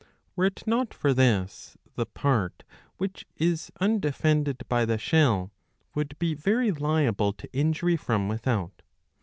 Were it not for this, the part which is undefended by the shell would be very liable to injury from without.